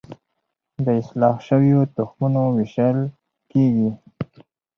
د اصلاح شویو تخمونو ویشل کیږي